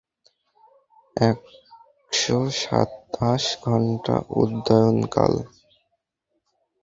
একশ সাতাশ ঘন্টা উড্ডয়নকাল!